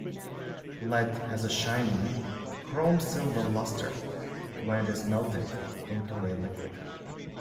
Lead has a shiny chrome-silver luster when it is melted into a liquid.